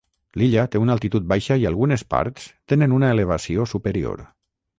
L"illa té una altitud baixa i algunes parts tenen una elevació superior.